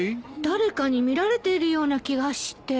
誰かに見られているような気がして。